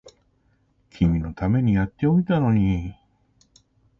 君のためにやっておいたのに